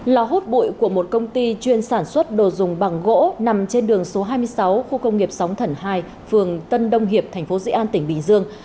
lò hốt bụi của một công ty chuyên sản xuất đồ dùng bằng gỗ nằm trên đường số hai mươi sáu khu công nghiệp sóng thẩn hai phường tân đông hiệp tp dĩ an tỉnh bình dương